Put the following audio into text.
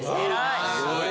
すごい。